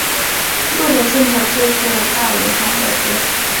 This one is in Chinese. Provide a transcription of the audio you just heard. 路的尽头就是大营盘小学。